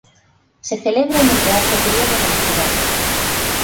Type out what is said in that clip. Se celebra en el Teatro Griego de la Ciudad.